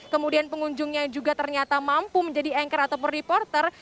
kemudian pengunjungnya juga ternyata mampu menjadi anchor ataupun reporter